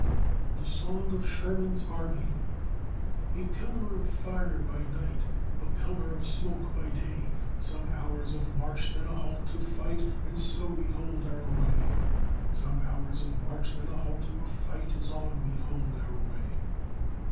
THE SONG OF SHERMAN'S ARMY A pillar of fire by night, A pillar of smoke by day, Some hours of march then a halt to fight, And so we hold our way; Some hours of march then a halt to fight, As on we hold our way.